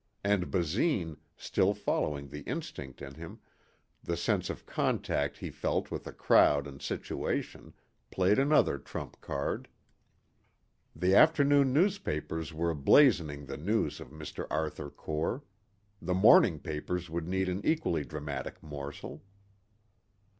And Basine, still following the instinct in him the sense of contact he felt with the crowd and situation, played another trump card. The afternoon newspapers were blazoning the news of Mr. Arthur Core. The morning papers would need an equally dramatic morsel.